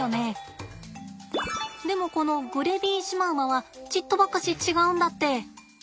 でもこのグレビーシマウマはちっとばかし違うんだって。